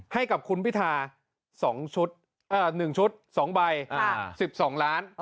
ให้กับคุณพิทา๒ชุด๑ชุด๒ใบ๑๒ล้าน